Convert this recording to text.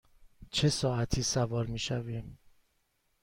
چه ساعتی سوار می شویم؟